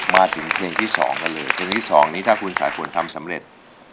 มาถึงเพลงที่๒กันเลยเพลงที่๒นี้ถ้าคุณสายฝนทำสำเร็จ